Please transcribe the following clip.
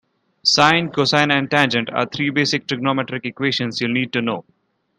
Sine, cosine and tangent are three basic trigonometric equations you'll need to know.